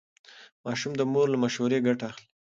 ماشوم د مور له مشورې ګټه اخلي.